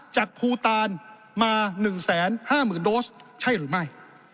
จากภูตานมา๑๕๐๐๐โดสใช่หรือไม่